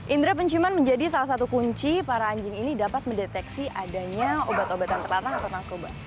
indra pencuman menjadi salah satu kunci para anjing ini dapat mendeteksi adanya obat obatan terlalu terlalu berkubah